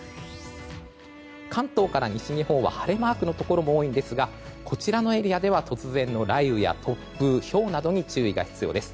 関東から西日本は晴れマークのところも多いんですがこちらのエリアでは突然の雷雨や突風、ひょうに注意が必要です。